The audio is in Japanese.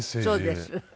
そうです。